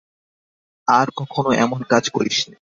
আর কখনো এমন কাজ করিস নে।